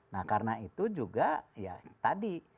nah karena itu juga ya tadi